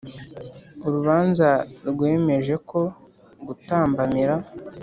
Urubanza rwemeje ko gutambamira